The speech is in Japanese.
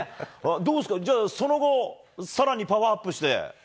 どうですか、じゃあその後、さらにパワーアップして。